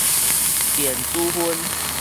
電子薰